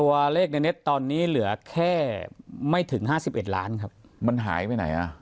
ตัวเลขในเน็ตตอนนี้เหลือแค่ไม่ถึงห้าสิบเอ็ดล้านครับมันหายไปไหนอ่ะ